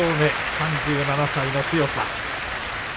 ３７歳の強さ。